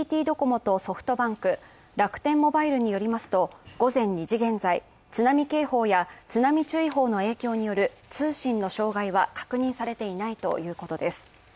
ＮＴＴドコモとソフトバンク、楽天モバイルによりますと、午前２時現在津波警報や津波注意報の影響による通信の障害は確認されていないということです。